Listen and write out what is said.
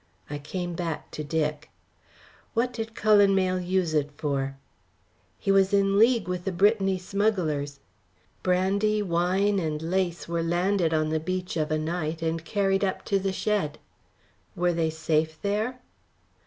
I came back to Dick. "What did Cullen Mayle use it for?" "He was in league with the Brittany smugglers. Brandy, wine, and lace were landed on the beach of a night and carried up to the shed." "Were they safe there?"